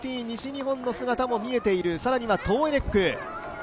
ＮＴＴ西日本の姿も見えている、更にはトーエネック。